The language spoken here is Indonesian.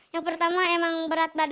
yang pertama emang berat badan